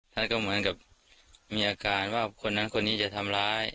ท่านก็เหมือนกับมีอาการว่าคนนั้นคนนี้จะทำร้าย